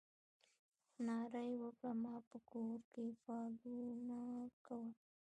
ناره یې وکړه ما به په کور فالونه کول.